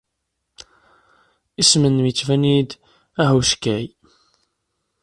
Isem-nnem yettban-iyi-d ahuskay.